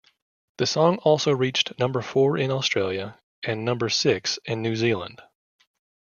The song also reached number four in Australia and number six in New Zealand.